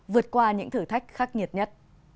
vượt qua những thử thách khắc nghiệt nhất